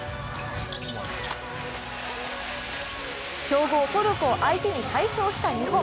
強豪・トルコ相手に快勝した日本。